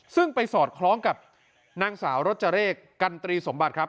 ซึ่งไปสอดคล้องกับนางสาวรจเรกกันตรีสมบัติครับ